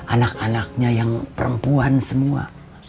anak anaknya yang perempuan semua